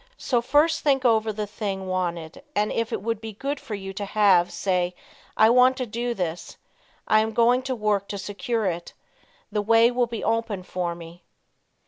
So first think over the thing wanted and if it would be good for you to have; say, "I want to do this; I am going to work to secure it. The way will be open for me."